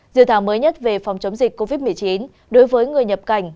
dự thảo mới nhất về phòng chống dịch covid một mươi chín đối với người nhập cảnh